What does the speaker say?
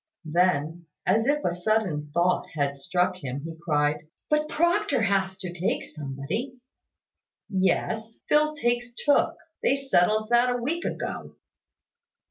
Then, as if a sudden thought had struck him, he cried, "But Proctor has to take somebody." "Yes; Phil takes Tooke. They settled that a week ago."